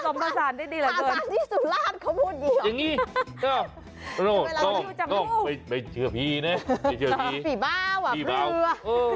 ขนมทาซานที่ดีแหละเบอร์อย่างนี้ต้องไปเชื้อพี่นะไปเชื้อพี่พี่เบาพี่เบลือ